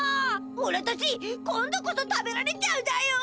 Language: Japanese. おらたち今度こそ食べられちゃうだよ。